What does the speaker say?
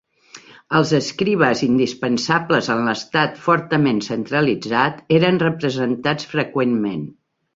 Els escribes, indispensables en l'Estat fortament centralitzat, eren representats freqüentment.